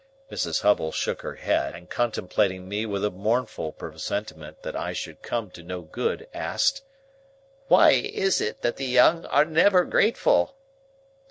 Mrs. Hubble shook her head, and contemplating me with a mournful presentiment that I should come to no good, asked, "Why is it that the young are never grateful?"